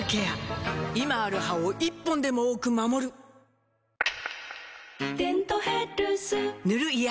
今ある歯を１本でも多く守る「デントヘルス」塗る医薬品も